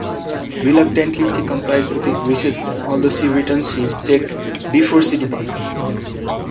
Reluctantly, she complies with his wishes, although she returns his cheque before she departs.